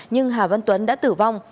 nhưng hà văn tuấn đã tử vong